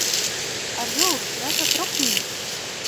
أرجوك، لا تتركني!